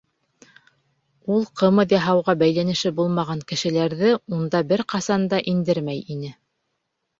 Ул ҡымыҙ яһауға бәйләнеше булмаған кешеләрҙе унда бер ҡасан да индермәй ине.